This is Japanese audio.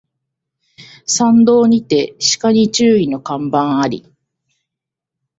山道にて鹿に注意の看板あり